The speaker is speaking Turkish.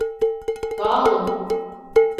Dağılın.